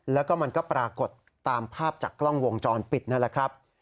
แล้วก็มันก็ปรากฏตามภาพจากกล้องวงจรปิดนั่นแหละครับ